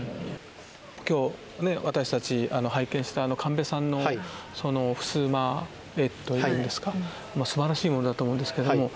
今日私たち拝見した神戸さんのふすま絵というんですかすばらしいものだと思うんですけども。